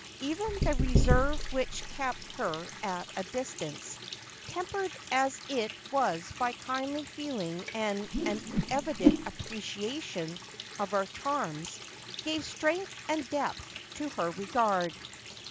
Even the reserve which kept her at a distance, tempered as it was by kindly feel ing and an evident appreciation of her charms, gave strength and depth to her regard.